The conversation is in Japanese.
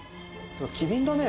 機敏だね。